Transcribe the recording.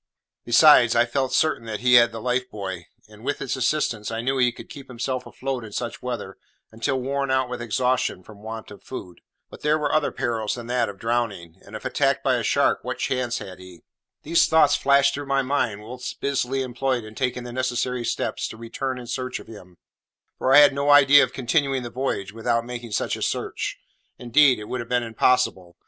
Besides, I felt pretty certain he had the life buoy; and, with its assistance, I knew he could keep himself afloat in such weather until worn out with exhaustion from want of food. But there were other perils than that of drowning; and, if attacked by a shark, what chance had he? These thoughts flashed through my mind whilst busily employed in taking the necessary steps to return in search of him, for I had no idea of continuing the voyage without making such a search; indeed, it would have been impossible.